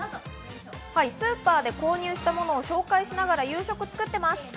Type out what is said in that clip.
スーパーで購入したものを紹介しながら夕食作ってます。